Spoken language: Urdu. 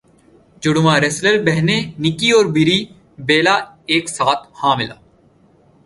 جڑواں ریسلر بہنیں نکی اور بری بیلا ایک ساتھ حاملہ